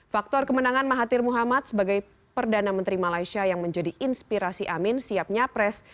faktor kemenangan mahathir muhammad sebagai perdana menteri malaysia yang menjadi inspirasi amin siap nyapres